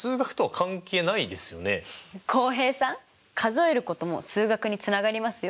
浩平さん数えることも数学につながりますよ。